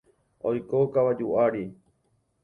Oiko kavaju ári.